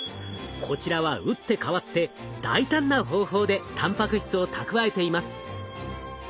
こちらは打って変わって大胆な方法でたんぱく質を蓄えています。